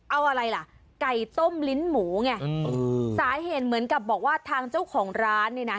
เอาอะไรล่ะไก่ต้มลิ้นหมูไงสาเหตุเหมือนกับบอกว่าทางเจ้าของร้านเนี่ยนะ